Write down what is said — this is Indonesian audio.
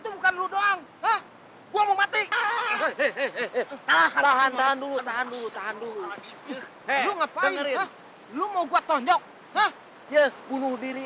tidak ada orang yang membunuh diri